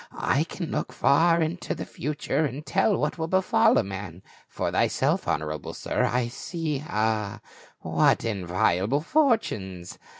" I can look far into the future and tell what will befall a man : for thyself, honorable sir, I see — ah, what enviable fortunes